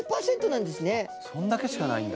そんだけしかないんだ。